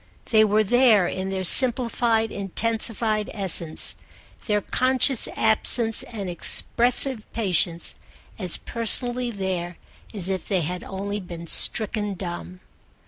They were there in their simplified intensified essence, their conscious absence and expressive patience, as personally there as if they had only been stricken dumb.